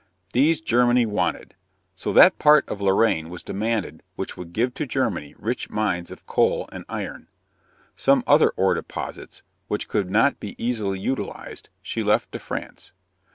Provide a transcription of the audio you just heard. These Germany wanted. So that part of Lorraine was demanded which would give to Germany rich mines of coal and iron. Some other ore deposits, which could not be easily utilized, she left to France.